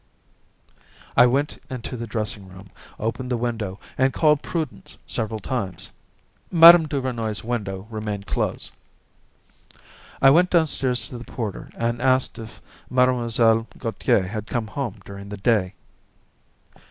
I went into the dressing room, opened the window, and called Prudence several times. Mme. Duvernoy's window remained closed. I went downstairs to the porter and asked him if Mlle. Gautier had come home during the day.